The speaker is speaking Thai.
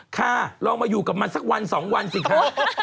ค่ะลองมาอยู่กับมันสักวัน๒วันสิคะ